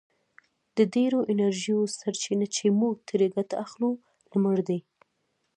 د ډېرو انرژیو سرچینه چې موږ ترې ګټه اخلو لمر دی.